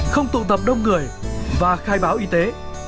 không tụ tập đông người và khai báo y tế